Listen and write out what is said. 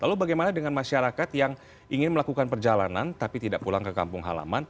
lalu bagaimana dengan masyarakat yang ingin melakukan perjalanan tapi tidak pulang ke kampung halaman